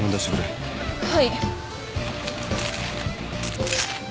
はい。